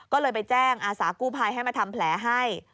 ก็เลยไปแจ้งอาสากู้ภัยให้มาทำแผลให้